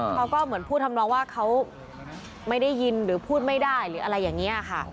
เขาก็เหมือนพูดทำนองว่าเขาไม่ได้ยินหรือพูดไม่ได้หรืออะไรอย่างนี้ค่ะ